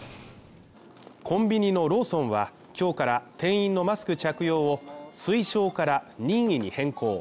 コンビニのローソンは今日から店員のマスク着用を推奨から任意に変更。